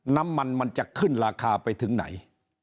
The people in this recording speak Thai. น้ำมันมันจะขึ้นราคาไปถึงไหน